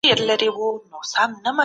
هیلې لرئ.